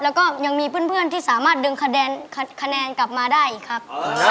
แล้วก็ยังมีเพื่อนที่สามารถเดินขนาดกลับมาได้ครับ